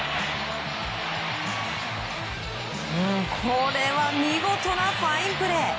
これは見事なファインプレー！